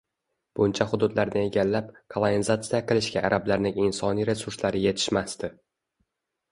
Buncha hududlarni egallab, kolonizatsiya qilishga arablarning insoniy resurslari yetishmasdi.